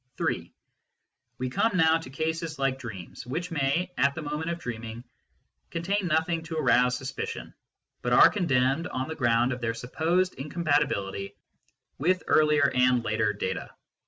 (3) We come now to cases like dreams, which may, at the moment of dreaming, contain nothing to arouse sus picion, but are condemned on the ground of their supposed incompatibility with earlier and later data.